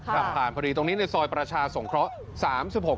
ขับผ่านพอดีตรงนี้ในซอยประชาสงเคราะห์๓๖